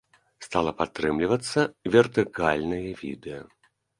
Стала падтрымлівацца вертыкальнае відэа.